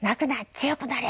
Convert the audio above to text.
強くなれ！」